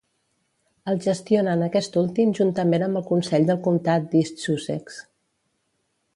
El gestionen aquest últim juntament amb el consell del comtat d'East Sussex.